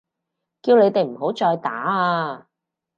叫你哋唔好再打啊！